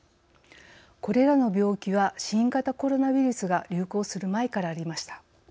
これらの病気は新型コロナウイルスが流行する前からありました。